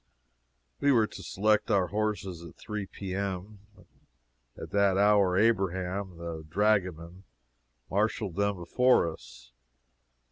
We were to select our horses at 3 P.M. At that hour Abraham, the dragoman, marshaled them before us.